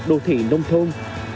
đô thị nông thôn